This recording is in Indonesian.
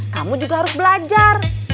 kamu juga harus belajar